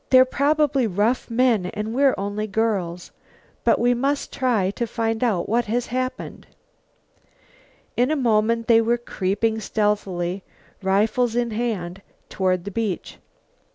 "They're probably rough men and we're only girls. But we must try to find out what has happened." In a moment they were creeping stealthily, rifles in hand, toward the beach.